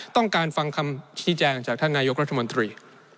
ต้องการฟังคำชี้แจงจากท่านนายกรัฐมนตรี